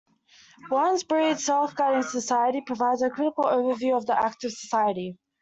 Warren Breed's "The Self-Guiding Society" provides a critical overview of "The Active Society".